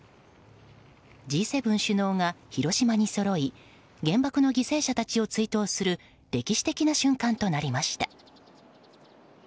Ｇ７首脳が広島にそろい原爆の犠牲者たちを追悼する歴史的な瞬間となりました。